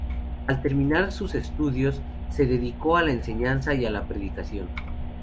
Al terminar sus estudios se dedicó a la enseñanza y a la predicación.